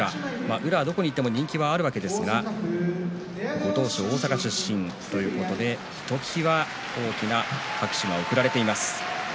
宇良はどこに行っても人気があるわけですがご当所大阪出身ということでひときわ大きな拍手が送られています。